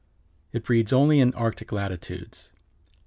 It breeds only in Arctic latitudes.